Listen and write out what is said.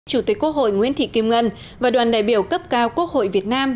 chủ tịch quốc hội nguyễn thị kim ngân và đoàn đại biểu cấp cao quốc hội việt nam